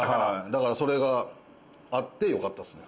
だからそれがあってよかったです。